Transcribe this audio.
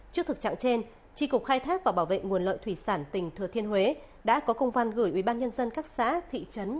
trước thực trạng trên tri cục khai thác và bảo vệ nguồn lợi thủy sản tỉnh thừa thiên huế đã có công văn gửi ubnd các xã thị trấn